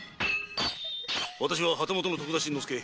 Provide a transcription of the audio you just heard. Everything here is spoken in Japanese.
私は旗本の徳田新之助。